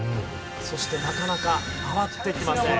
そしてなかなか回ってきません。